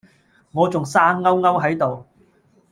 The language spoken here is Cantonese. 我仲生勾勾係度